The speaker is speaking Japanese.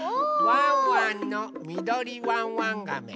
ワンワンのみどりワンワンガメ。